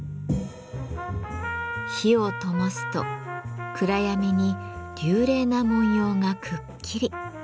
火をともすと暗闇に流麗な文様がくっきり。